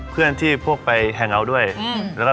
เพื่อนเต็บบอล